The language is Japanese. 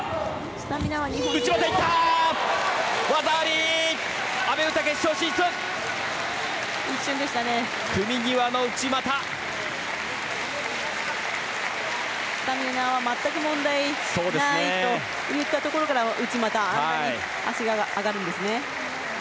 スタミナは全く問題ないといったところから内股であんなに足が上がるんですね。